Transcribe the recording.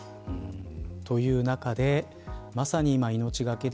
という中でまさに今命懸けで